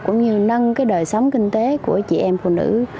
cũng như nâng cái đời sống kinh tế của chị em phụ nữ